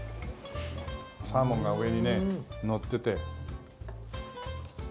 サーモンが上にねのってて。